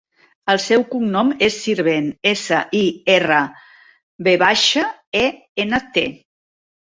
El seu cognom és Sirvent: essa, i, erra, ve baixa, e, ena, te.